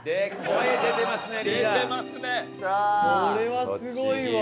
これはすごいわ。